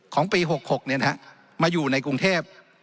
ของปี๖๖เนี่ยนะมาอยู่ในกรุงเทพฯ